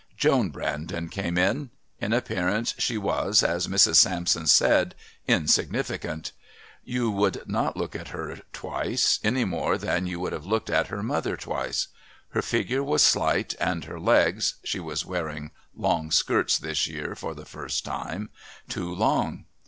Joan Brandon came in. In appearance she was, as Mrs. Sampson said, "insignificant." You would not look at her twice any more than you would have looked at her mother twice. Her figure was slight and her legs (she was wearing long skirts this year for the first time) too long.